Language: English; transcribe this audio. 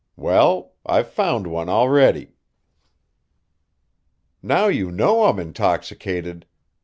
Well, I've found one already. Now you know I'm intoxicated?